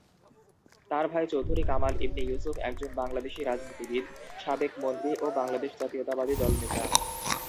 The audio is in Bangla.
তার ভাই চৌধুরী কামাল ইবনে ইউসুফ একজন বাংলাদেশী রাজনীতিবিদ, সাবেক মন্ত্রী ও বাংলাদেশ জাতীয়তাবাদী দল নেতা।